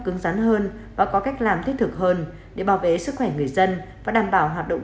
cứng rắn hơn và có cách làm thiết thực hơn để bảo vệ sức khỏe người dân và đảm bảo hoạt động